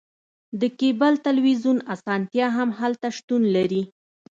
د کیبل تلویزیون اسانتیا هم هلته شتون لري